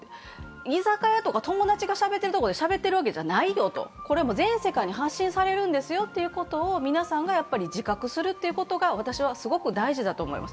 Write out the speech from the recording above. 居酒屋とか友達がしゃべってるところでしゃべってるわけじゃないよ、これは全世界に発信されるんですよということを皆さんが自覚することが私はすごく大事だと思います。